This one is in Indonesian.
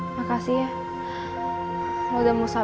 ini kalo nanti textbook ng ritual tanpa anugerah